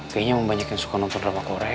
kayaknya membanyakin suka nonton drama korea